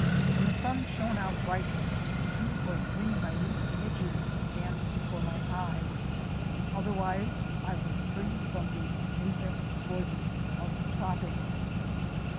When the sun shone out brightly, two or three minute midges danced before my eyes — otherwise I was free from the "' insect scourges "' of the tropics!